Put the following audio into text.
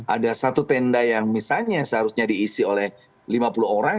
ada satu tenda yang misalnya seharusnya diisi oleh lima puluh orang